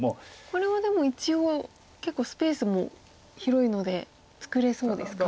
これはでも一応結構スペースも広いので作れそうですか？